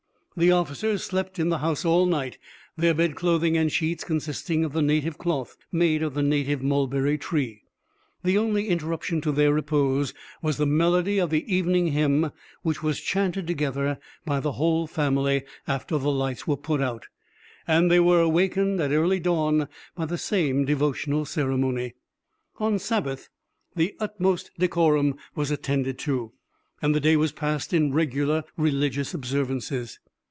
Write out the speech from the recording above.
The officers slept in the house all night, their bedclothing and sheets consisting of the native cloth made of the native mulberry tree. The only interruption to their repose was the melody of the evening hymn, which was chanted together by the whole family after the lights were put out; and they were awakened at early dawn by the same devotional ceremony. On Sabbath the utmost decorum was attended to, and the day was passed in regular religious observances.